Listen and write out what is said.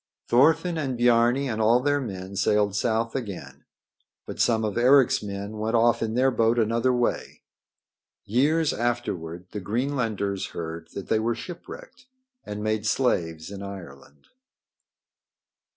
Thorfinn and Biarni and all their men sailed south again. But some of Eric's men went off in their boat another way. Years afterward the Greenlanders heard that they were shipwrecked and made slaves in Ireland.